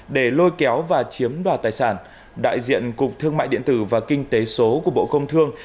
để lôi kéo và chiếm đoạt tài sản đại diện cục thương mại điện tử và kinh tế số của bộ công thương